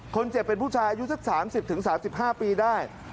คนเจ็บเป็นผู้ชายอายุสัก๓๐๓๕ปีได้